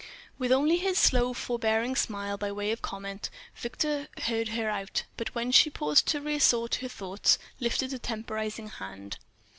With only his slow, forbearing smile by way of comment, Victor heard her out, but when she paused to reassort her thoughts, lifted a temporizing hand.